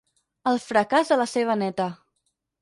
El fracàs de la seva néta.